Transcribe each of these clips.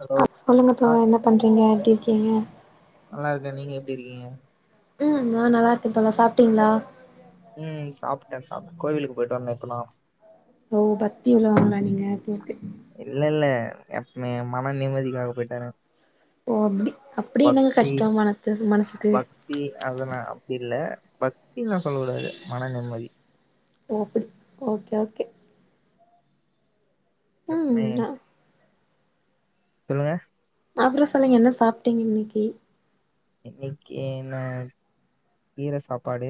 Hello அ சொல்லுங்க ஆ தோழா என்ன பண்றீங்க எப்டி இருக்கீங்க நல்லா இருக்கே நீங்க எப்டி இருக்கீங்க ம் நா நல்லா இருக்கே தோழா சாப்ட்டீங்களா ம் சாப்ட்டே சாப் கோயிலுக்கு போயிட்டு வந்தே இப்பதா ஓ பத்தி உள்ளவங்களா நீங்க அப்ப ஓகே இல்ல இல்ல எப்மே மன நிம்மதிக்காக போயிட்டு வரே ஓ அப்டி அப்டி என்னங்க கஷ்டோ மனத்து மனசுக்கு இல் அதனா அப்டி இல்ல பக்தின்ல்லா சொல்லக்கூடாது மன நிம்மதி ஓ அப்டி ஓகே ஓகே எப்மே ம் சொல்லுங்க அப்புற சொல்லுங்க என்ன சாப்ட்டீங்க இன்னைக்கு இன்னைக்கு நா கீர சாப்பாடு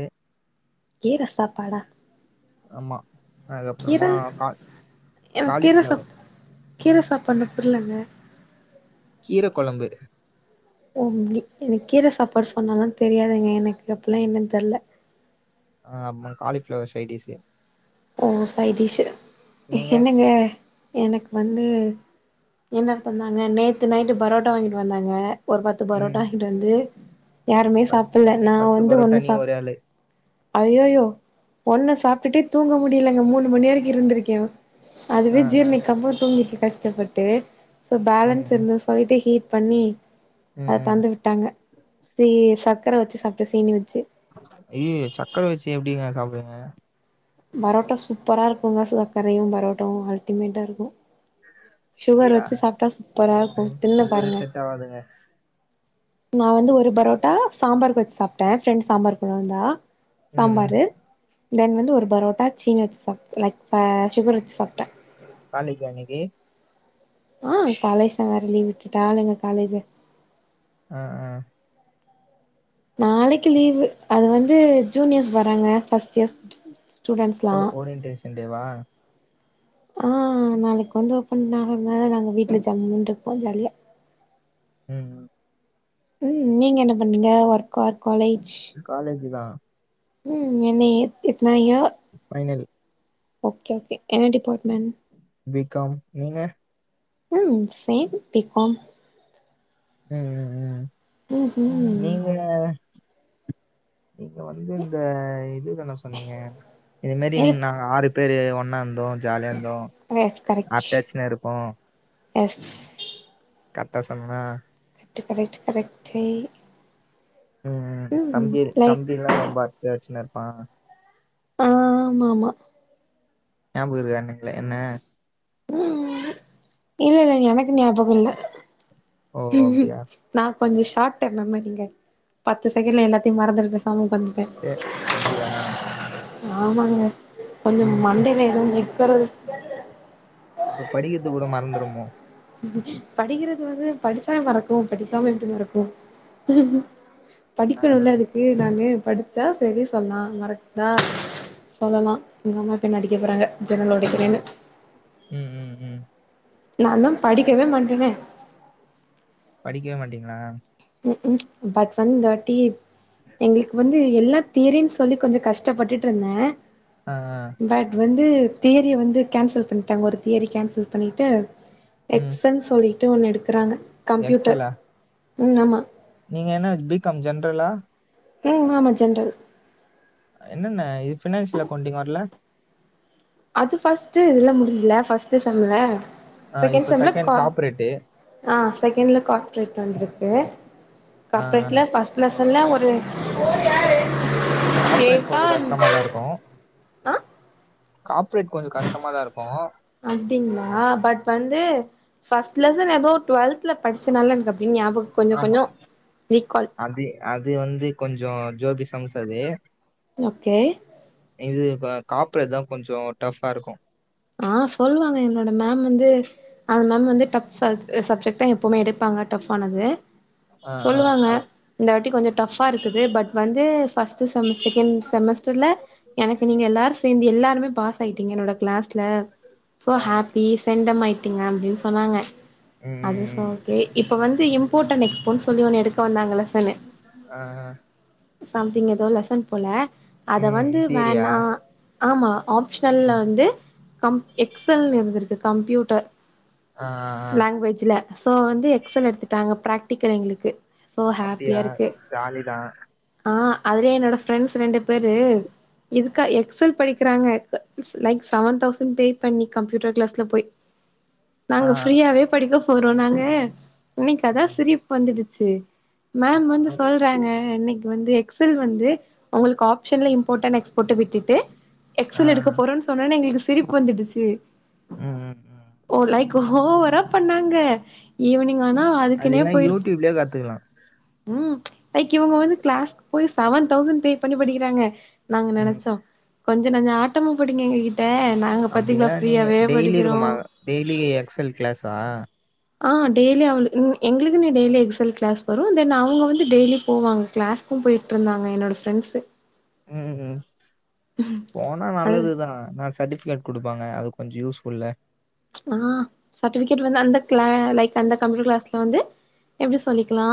கீர சாப்பாடா ஆமா கீர அதுக்கப்புறமா கா எனக்கு கீர சாப் காலிஃப்ளவர் கீர சாப்பாடுன்னா புர்லங்க கீர கொழம்பு ஓ அப்டி எனக்கு கீர சாப்பாடு சொன்னாலா தெரியாதுங்க எனக்கு அப்புட்னா என்னன் தெர்ல ஆ ஆமா காலிஃப்ளவர் சைடிஸு ஓ சைடிஸு நீங்க என்னங்க எனக்கு வந்து என்ன பண்ணாங்க நேத்து நைட்டு பரோட்டா வாங்கிட்டு வந்தாங்க ஒரு பத்து ம் பரோட்டா வாங்கிட்டு வந்து வந்து யாருமே பத் சாப்புட்ல நா பத்து வந்து பரோட்டா ஒன்னு நீ சாப் ஒரே ஆளு ஐய்யய்யோ ஒன்னு சாப்ட்டுட்டு தூங்க முடியலங்க மூணு மணி வரைக்கு இருந்துருக்கே அதுவே ஆ ஆ ஜீரணிக்காம தூங்கிருக்க கஷ்டப்பட்டு சோ ம் பேலன்ஸ் ம் இருந்த போயிட்டு ஹீட் பண்ணி ம் அத ம் தந்து விட் ட்டாங்க சி சர்க்கர வச்சு சாப்ட்ட சீனி வச்சு ஐய்யய்யோ சக்கர வச்சு எப்டிங்க சாப்டுவிங்க பரோட்டா சூப்பர இருக்குங்கா சு சக்கரையு பரோட்டாவு அல்டிமேட்டா இருக்கு [unintelligible] சுகர் வச்சு சாப்ட்டா சூப்பரா இருக்கும் தின்னு ஒவ்வொரு பாருங்க செட் ஆவாதுங்க நா வந்து ஒரு பரோட்டா சாம்பாருக்கு வச்சு சாப் ட்ட ஃப்ரெண்ட் சாம்பார் கொண்டு வந்தா ம் ம் சாம்பாரு தென் வந்து ஒரு பரோட்டா சீனி வச்சு சாப் லைக் ஆ சுகர் வச்சு சாப்ட்ட காலேஜ்ஜா இன்னைக்கு ஆ காலேஜ்தா வேற லீவ் விட்டுட்டாலைங்க காலேஜு ஆ ஆ நாளைக்கு லீவு அது வந்து ஜூனியர்ஸ் வராங்க ஃபஸ்ட் இயர்ஸ் ஸ்டூடெண்ட்ஸ்லா ஒ ஒரியன்டேஷன் டேவா ஆ நாளைக்கு வந்து ஓப்பன் ஆகறதால நாங்க வீட்ல ஜம்முன்னு இருப்போ ஜாலியா ம் ம் நீங்க என்ன பண்ணீங்க ஒர்க் ஆர் காலேஜ் காலேஜுதா ம் என்ன இத் எத்தன இயர் ஃபைனல் ஓகே ஓகே என்ன டிப்பார்ட்மெண்ட் பிகாம் நீங்க ம் சேம் பிகாம் ம் ம் ம் நீங்க நீங்க வந்து இந்த இது தான சொன்னீங்க இது மாரி நீ எஸ் நா ஆறு துரு ஒன்னா இருந்தோ ஜாலியா இருந்தோ எஸ் கரெக்ட் அட்டாச்சுன்னு இருப்போ எஸ் கரெட்டா சொன்னேனா கரெக்ட்டு கரெக்ட் கரெக்டேய் ம் ம் தம்பி லைக் தம்பி எல்லா ரொம்ப ஆஃபெக்ஷனா இருப்பா ஆமா ஆமா ஞாபகயிருக்கா ங்கள என்ன ம் இல்லல்ல எனக்கு ஞாபகோ இல்ல ஓ அப்டியா நா கொஞ்சோ ஷார்ட்ட மெமரிங்க பத்து செகண்ட்ல எல்லாத்தையு மறந்துட்டு பேசாம உக்காந் சேர் அப்படியா ஆமாங்க கொஞ்சோ ம் மண்டைல எதுவு நிக்கறது அப்ப படிக்கிறது கூட மறந்துருமோ படிக்கிறது வந்து படிச்சா மறக்கு படிக்காம எப்படி மறக்கு ஆ ஆ படிக்கணுல்ல அதுக்கு நானு படிச்சா சரி சொல்லா மறக்குதா சொல்லலா எங்க அம்மா இப்ப என்ன அடிக்க போறாங்க ஜன்னல் ஓடக்கிறேனு ம் ம் ம் நா தா படிக்கவே மாட்டனே படிக்கவே மாட்டீங்ளா ம் ம் பட் வந்து இந்வாட்டி எங்களுக் வந் து எல்லா தியரி சொல்லி கொஞ்சோ கஷ்டப்பட்டுட்ருந்தே ஆ ஆ பட் வந்து தியரிய வந்து கேன்சல் பண்ட்டாங்க ஒரு தியரி கேன்சல் பண்ணிட்டு எக்ஸ்ன் சொல்லிட்டு ஒண்ணு எடுக்குறாங்க எக்ஸல்லா ம் ஆமா நீங்க என்ன பி காம் ஜென்ரலா ம் ஆமா ஜென்ரல் என்னங்க இது ஃபினான்சியல் அக்கவுண்டிங் வர்ல அது ஃபர்ஸ்ட்டு இதுல முடிஞ்சல ஃபர்ஸ்ட்டு செம்ல ஆ செகண்ட் இப்ப செம்ல செகண் கா காப்ரேட்டு ஆ செகண்ட்ல கார்ப்ரேட் வந்திருக்கு ஆ ஆ கார்ப்ரேட்ல ஃபஸ் ட் லசன்ல ஒரு காப்ரேட் கேட்டா கொஞ்சோ கஷ்டமாதா இருக்கு ஆ காப்ரேட் கொஞ்சோ கஷ்டமா தா இருக்கு அப்டிங்களா பட் வந்து ஃபஸ்ட் லெசன் எபோ டுவெல் த்ல படிச்சனால எனக்கு அப்டி ஞாபக கொஞ்சோ ஆமா கொஞ்சோ ரீகால் அது அது வந்து கொஞ்சோ ஜோபி சம்ஸ் அது ஓக்கே இது காப்ரேட்தா கொஞ்சோ டஃப்பா இருக்கு ஆ சொல்லுவாங்க எங்ளோட மேம் வந்து அது மேம் வந்து டஃப் ச சப்ஜெக்ட் தா எப்புமே எடுப்பாங்க டஃப் ஆனது ஆ ஆ அ இந்த வாட்டி கொஞ்சோ டஃப்பா இருக்குது பட் வந்து ஃபர்ஸ்ட்டு செம் செகண்ட் செமஸ்டர்ல எனக்கு நீங்க எல்லாரு சேந்து எல்லாருமே பாஸ் ஆயிட்டீங்க என்னோட கிளாஸ்ல சோ ஆ ஆ ஹேப்பி செண்டம் ஆய்ட்டீங்க அப்டின் சொன்னாங்க ம் அது ஸ் ம் ம் ஓக்கே இப்போ வந்து இம்போர்ட் அன் எக்ஸ்போ சொல்லி ஒன்னு எடுக்க வந்தாங்க லெசன்னு ஆ ஆ சம்திங் ஏதோ லெசன் போல அத ம் வந்து தியரியா வேணா ஆமா ஆ ப்சனல்ல ம் வந்து கம்ப் எக்ஸல்னு இருந்திருக்கு கம்ப்யூட்டர் ஆ ஆ, லேங்வேஜ்ல சோ வந்து எக்சல் எடுத்துட்டாங்க பிராக்டிக்கல் எங்களுக்கு சோ அப்படியா ஹேப்பியா இருக்கு ஜாலி தான் ஆ அதுலயே என்னோட ஃரெண்ட்ஸ் ரெண்டு பேரு இதுக்கா Excel படிக்றாங்க [inaudible] likes seven thousand pay பண்ணி கம்யூட்டர் கிளாஸ்ல போய் ஆ நாங்க ஃப்ரீயாவே படிக்க போறோ நாங்க இன்னைக்கு அதா ம், சிரிப்பு வந்திருச்சு மேம் வந்து நான் சொல்றாங்க இன்னைக்கு வந்து எக்ஸ் ல் வந்து உங்களுக்கு ஆப்ஷன்ல இம்போர்டன் எக்ஸ்போர்ட்டு விட்டுட்டு ஆ எக்சல் எடுக்க போறோன் எங்களுக்கு சிரிப்பு வந்துடுச்சு ம் ம், ம். ஓ லைக் ஓவரா பண்ணாங்க ஈவினிங் ஆனா அதுக்குனே அ யூ டி யூப்லே கத்துக்கலா ம் லைக் இவுங்க வந்து கிளாஸ்க்கு போய் செவன் தௌசண்ட் பே பண்ணி படிக்கறாங்க நாங்க ம் நெனைச்சோ கொஞ்ச நஞ்ச ஆட்டமா போடீங்க எங்க கி ட்ட நாங்க பத்தீங்லா அப்படிலாம் நீங்க ஃப்ரீயாவே டெய்லி படிக்கிறோ இருக்குமா டெய்லி எக்ஸல் கிளாஸா ஆ டெய்லி அவளு ம் எங்களுக்குன்னு டெய்லி எக்ஸல் கிளாஸ் வரு தென் அவுங்க வந்து டெய்லி போவாங்க கிளாஸ் அப்பம் போயிட்டு இருந்தாங்க என்னோட ஃப்ரெண்ட்ஸு ம் ஹும் போனா நல்லதுதா நா சர்ட்டிபிகேட் குடுப்பாங்க அது கொஞ்சோ யூஸ் ஃபுல்லு அ சர்டிபிகேட் வந்து அந்த கிளா லைக் அந்த கம்ப்யூட்டர் கிளாஸ்ல வந்து எப்டி சொல்லிக்கலா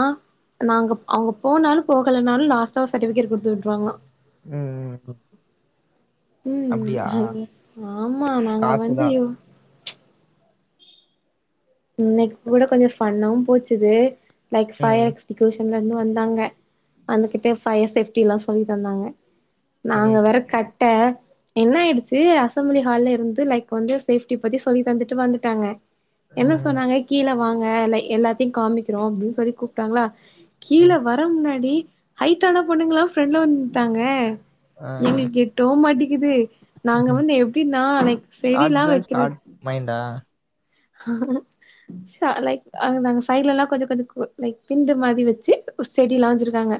நாங்க அவுங்க போனாலு போகலனாலு லாஸ்டா சர்டிஃபிகேட் குடுத்து விட்ருவாங்களா ம் அப்டியா ம் ஆமா நாங்க வந்து காசுதா இவ் இன்னைக்கு கூட கொஞ்சோ ஃபண்ணாவும் போச்சுது லைக் ஃபை ம் எக்ஸ் ஈகுவேஷன்லந்து வந்தாங்க வந்துகிட்டு ஃபயர் சேஃப்டி எல்லா சொல்லி தந்தாங்க ம் நாங்க வேற ம், கட்ட என்ன ஆயிடுச்சு அசம்பளி ஹால்ல இருந்து லைக் வந்து சேஃப்டி பத்தி சொல்லி தந்துட்டு வந்துட்டாங்க என்ன ம், சொன்னாங்க கீழ வாங்க எல்லாத்தையு காமிக்கிறோ அப்டின்னு சொல்லி கூப்ட்டாங்ளா கீழ ம். வ வர முன்னாடி ஹைட்டனா பொண்ணுங்கள்ளா ப்ரெண்ட்ல வந்து நின்ட்டாங்க ஆ எங்களுக்கு எட்டோ மாட்டிக்குது நாங்க வந்து எப்டினா லைக் ஷார்ட் செடில்லா கேர்ள் வெக்கற ஷார்ட் மைண்டா ஹ லைக் அ நாங்க சைடுல எல்லா கொஞ்ச கொஞ்ச கு லைக் திண்டு மாறி வெச்சு ஒரு செடி எல்லா வெச்சிருக்காங்க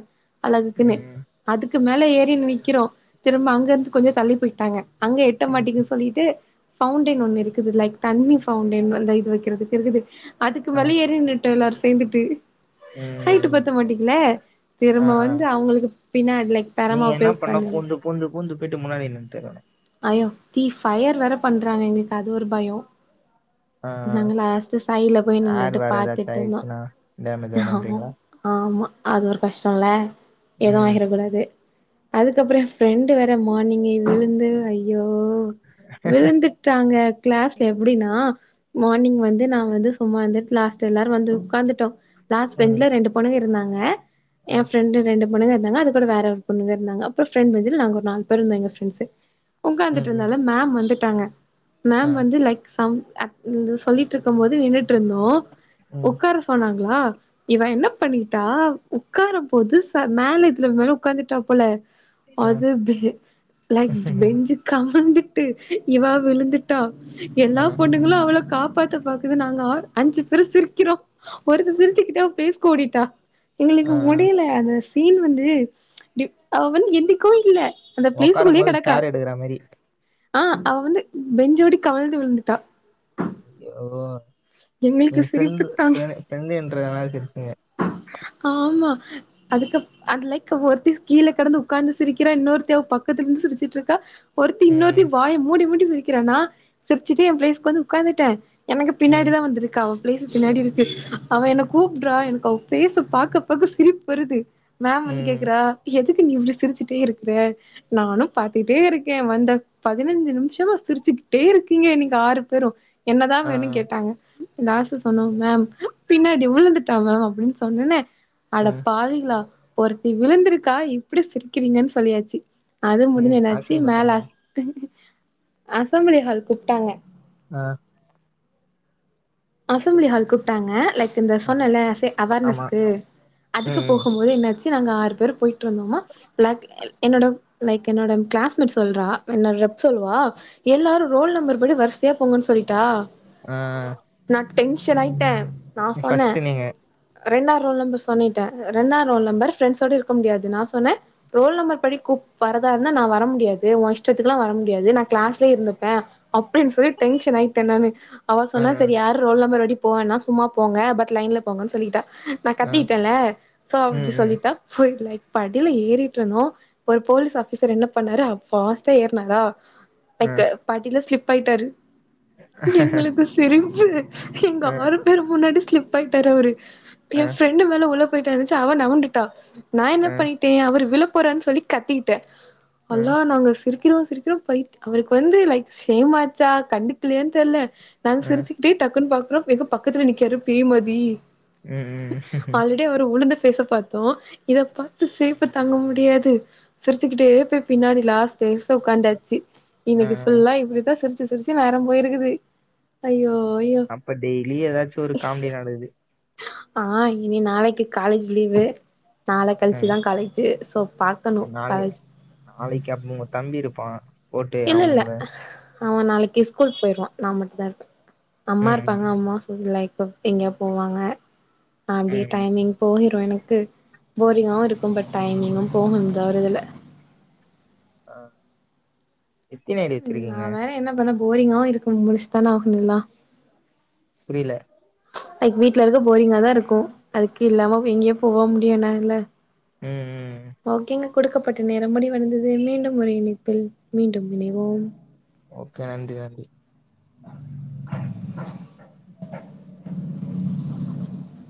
ம் அழகுக்குன்னு ம் அதுக்கு மேல ஏறி நிற்கிறோ திரும்ப அங்க இருந்து கொஞ்சோ தள்ளி போயிட்டாங்க அங்க எட்ட ம், மாட்டீகுது ம். சொல்லிட்டு பவுன்டேன் ஒன்னு இருக்குது லைக் தண்ணிஃப் பவுண்டேன் அந்த இது வெக்கிறதுக்கு இருக்குது அதுக்கு ஆ. மேலே எறி நின்னுட்டோ எல்லாரு சேந்துட்டு ம் ஹைட்டு ம் பத்த மாட்டிக்கிள ஆ திரும்ப ஆ வந்து அவுங்களுக்கு பின்னா லைக் தரமா நீங்க என்ன போய் பண்ணா உக்காந்து இந்த பூந்து பூந்து பூந்து பேயிட்டு முன்னாடி நின்னுட்டு இருக்கான் அய்யோ தீ ஃபயர் வேற பண்றாங்க எங்களுக்கு அது ஒரு பயோ ஆ நாங்க லாஸ்ட்டு சைடுல போய் ஆ ஏர் நின்னுட்டு வேற ஏதாச்சு பாத்துட்டு ஆமா ஆயிடுச்சுன்னா டேமேஜ் ஹமாம் ஆயிடுன்றீங்களா ஆமா அது ஒரு கஷ்டோல்ல எதுவு ம் ஆகிர கூடாது அதுக்கப்றோ என் ஃப்ரெண்டு வேற மார்னிங்கே விழுந்து அய்யோ விழுந்தி ட்டாங்க கிளாஸ்ல எப்டின்னா மார்னிங் வந்து நா வந்து சும்மா இந்துட்டு கிளாஸ் எல்லாரு வந்து உக்காந்துட்டோ லாஸ்ட் ம் பெஞ்சில ரெண்டு பொண்ணுங்க இருந்தாங்க என் ம் ஃப்ரெண்டு ரெண்டு பொண்ணுங்க இருந்தாங்க அது கூட வேற பொண்ணுங்க இருந்தாங்க அப்றோ ஃபிரண்ட் பெஞ்சுல நாங்க ஒரு நால் பேர் இருந்தாங்க ஃபிரண்ட்ஸ் உக்காந்துட்டு ம் ம் இருந்தால மேம் வந்துட்டாங்க ஆ மேம் வந்து லைக் சம் அக் ம் இந்து சொல்லிட்டு இருக்கும்போது நின்னுட்டு இருந்தோ ம் உக்கார சொன்னாங்ளா இவ என்ன பண்ணிட்டா உக்காரும்போது ச மேல இதுல மேல உக்காந்துட்டா போல ஆ அது பே லைக் பெஞ்சு காந்து ட்டு இவா விழுந்துட்டா ஆ எல்லா பொண்ணுங்களு அவள காப்பாத் த பாக்குது நாங்க ஆர் அஞ்சி பேரு சிரிக்கிறோ ஒருத்த சிரிச்சிக்கிட்டே அவ பேஸ்க்கு ஓடிட்டா ஆ எங்களுக்கு ஆ முடில அத சீன் வந்து டியூ அவ வந்து எந்திக்கவு இல்ல அந்த ஒக்காரம் போது சார எடுக்குற மாரி ஆ அவ வந்து பெஞ்ச ஒட்டி கவழ்ந்து விழுந்துடா ஐயோ எங்களுக்கு நீங்க சிரிப்பு ஃப்ரெண்டு தான் பனே ஃப்ரெண்டு என்றனால சிரிச்சிங்க ஆமா அதுக்கப் அதுலைக் ஒருத்தி கீழே கெடந்து ஒக்காந்து சிரிக்கிறா இன்னொருத்தி அவ பக்கத்துல இருந்து சிரிச்சிட்டு இருக்கா ஒருத்தி இன்னொருத்தி ம் வாய மூடி மூடி சிரிக்கிறா நா சிரிச்சுட்டு என் பிளேஸ்க்கு வந்து ஒட்காந்துட்டே எனக்கு பின்னாடி ம் தா வந்திருக்கா அவ பிளேஸ் பின்னாடி இருக்கு அவ என கூப்ட்ரா எனக்கு அவ ஃபேச பாக்க பாக்க சிரிப்பு வருது மேம் வந்து ம் கேக்குறா எதுக்கு நீ இப்டி சிரிச்சுட்டே இருக்கற நானு பாத்துட்டே இருக்கே வந்த பதினஞ்சு நிமிஷ ஏமா சிரிச்சுக்கிட்டே இருக்கீங்க நீங்க ஆறு பேரு என்னதா ஆ வேணு ஆ கேட்டாங்க லாஸ்ட்ல சொன்னோ மேம் பின்னாடி உழுந்துட்டா மேம் அப்டின்னு சொன்னேன அட ம் பாவிங்கலா ஒருத்தி விழுந்திருக்கா இப்படி சிரிக்கிறீங்கன் சொல்லியாச்சு அது முடிஞ்ச ம் என்னாச்சு மேல அசிங்கப்படுத்துறாங்க அசம்ப்ளி ஹால் கூப்பிட்டாங்க ஆ அசம்பிளி ஹால் கூப்பிட்டாங்க லைக் இந்த ஆ சொன்னல்லே சே ஆமா அவர்னஸ்கு அதுக்கு ம் ம் போகும்போது என்னாச்சு நாங்க ஆறு பேர் போயிட்டு ட்ருந்தோமா லக் என்னோட லைக் என்னோட கிளாஸ்மேட் சொல்றா என்னட ரெப் சொல்லுவா எல்லாரும் ரோல் நம்பர் படி வரிசையா போங்கன்னு சொல்லிட்டா ஆ நா டென்ஷன் ஆயிட்டே நா சொன்னே ஃபர்ஸ்ட்டு நீங்க ரெண்டா ரோல் நம்பர் சொன்னிட்ட ரெண்டா ரோல் நம்பர் பிரண்ட்ஸோட இருக்க முடியாது நா சொன்னே ரோல் நம்பர் படி கூப் வரதா இருந்தா நா வர முடியாது ஒ இஷ் ஷ்டத்துக்கில்லா வர முடியாது நா கிளாஸ்லே இருந்துப்பே அப்டின்னு சொல்லி டென்ஷன் ஆயிட்ட நானு அவ ஆ சொன்னா ஆ சரி யாரு ரோல் நம்பர் படி போ வேண்டா சும்மா போங்க பட் லைன்ல போங்கன்னு சொல்லிட்டா நா ஆ கத்திட்டேன்ல சோ ம் அப்டி ம் சொல்லிட்டா போய் லைக் படில ஏறிட்ருந்தோ ஒரு போலீஸ் ஆஃபீசர் என்ன பண்ணாரு ஃபாஸ்ட்டா ஏற்னாரா ஆ லைக்கு படில ஸ்லிப் ஆயிட்டாரு எங்களுக்கு சிரிப்பு எங்க ஆ ஆறு பேரு முன்னாடி ஸ்லிப் ஆயிட்டாரு அவரு ஆ எ ஃப்ரெண்டு மேல உள போயிட்டாருந்துச்சி அவ நவுண்டுட்டா நா என்ன ஆ பண்ணிட்டே அவரு விழ போறார்ன் சொல்லி கத்திக்கிட்டே ஆ அல்லா நாங்க ஸ் சிரிக்கிறோ சிரிக்கிறோ பய் அவருக்கு வந்து லைக் சேமாச்சா கண்டுக்கலையன்னு தெர்ல நாங்க ஆ சிரிச்சுக்கிட்டே டக்குன்னு பாக்குறோ எங்க பக்கத்துல நிக்காரு பேய்மாதி ம் ம் ம் டே அவரு உளுந்த ஃபேஸ்ச பாத்தோ இத பாத்து சிரிப்பு தாங்க முடியாது சிரிச்சுக்கிட்டே போய் பின்னாடி லாஸ்ட் பேஸ்ல ஒக்காந்தாச்சு ஆ இன்னைக்கு ஃபுல்லா இப்டித்தா சிரிச்சு சிரிச்சு நேரம் போயிருக்குது அய்யோ அய்யோ அப்ப டெய்லி ஏதாச்சு ஒரு காமெடி நடக்குது ஆ இனி நாளைக்கி காலேஜ் லீவு நாள ம் கழிச்சுதா காலேஜு ஸோ பாக்கணு நாளை காலேஜ் நாளைக்கு அப்ப ஒ தம்பி இருப்பா இல்ல இல்ல அவ நாளைக்கு ஸ்கூல் போயிருவா நா மட்டுதா இருப்பே அம்மா ம் இருப்பாங்க ம் அம்மா லைக் எங்கயா போவாங்க அப்படியே ம் டைமிங் போய்ரு எனக்கு போரிங்காவு இருக்கு பட் டைமிங்கும் போகும் த ஒருதுல ஆ எத்தன ஐடி ம் நா வச்சிருக்கீங்க வேற என்ன பண்ண போரிங்காவு இருக்கு முடிச்சு தான ஆகணு இத்லா புரில அதுக்கு வீட்ல இருக்க போரிங்கா தா இருக்கு அதுக்கு இல்லாம எங்கியு போக முடியுதா இல்ல உம் உம் ஓகேங்க குடுக்கப்பட்ட நேரம் முடிவடைந்தது மீண்டும் ஒரு இணைப்பில் மீண்டும் இணைவோம் ஓகே நன்றி நன்றி [unintelligible]